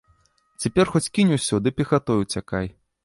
Цяпер хоць кінь усё ды пехатой уцякай.